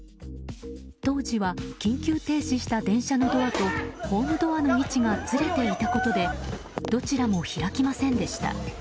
当時は緊急停止した電車のドアとホームドアの位置がずれていたことでどちらも開きませんでした。